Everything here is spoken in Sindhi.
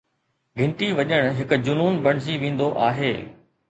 گھنٽي وڄڻ هڪ جنون بڻجي ويندو آهي